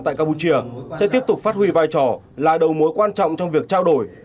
tại campuchia sẽ tiếp tục phát huy vai trò là đầu mối quan trọng trong việc trao đổi